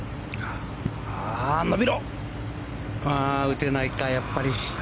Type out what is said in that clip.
打てないか、やっぱり。